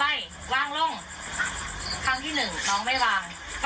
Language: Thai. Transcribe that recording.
แล้วทางที่สามน้องโยนแล้วน้องก็เดินขันหน้าหนีลูไป